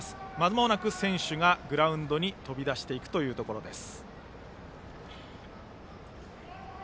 まもなく選手がグラウンドに飛び出していくところです。